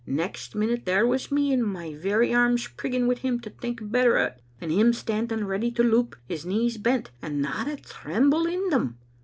Next minute there was me, my very arms prigging wi' him to think better o't, and him standing ready to loup, his knees bent, and not a tremble in them.